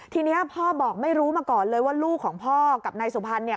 ทีนี้พ่อบอกไม่รู้มาก่อนเลยว่าลูกของพ่อกับนายสุพรรณเนี่ย